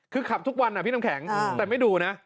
คือขับทุกวันนะพี่น้ำแข็งแต่ไม่ดูนะ